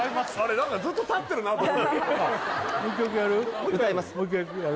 何かずっと立ってるなと思ってもう１曲やる？